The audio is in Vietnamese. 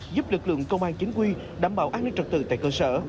giúp lực lượng công an chính quy đảm bảo an ninh trật tự tại cơ sở